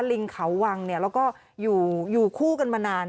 ลิงเขาวังแล้วก็อยู่คู่กันมานาน